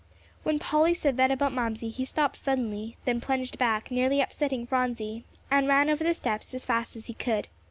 When Polly said that about Mamsie, he stopped suddenly, then plunged back, nearly upsetting Phronsie, and ran over the steps as fast as he could.